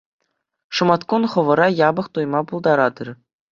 Шӑматкун хӑвӑра япӑх туйма пултаратӑр.